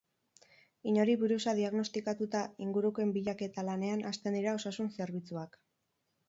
Inori birusa dignostikatuta, ingurukoen bilaketa lanean hasten dira osasun zerbitzuak.